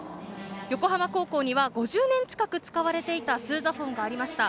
横浜高校には５０年近く使われていたスーザフォンがありました。